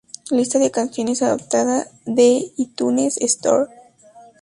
Lista de canciones adaptado de iTunes Store.